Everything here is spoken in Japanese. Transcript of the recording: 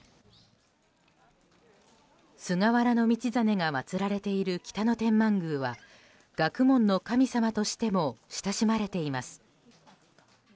菅原道真がまつられている北野天満宮は学問の神様としても親しまれています。